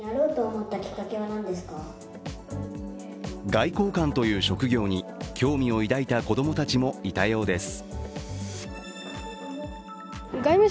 外交官という職業に興味を抱いた子供たちもいたようです。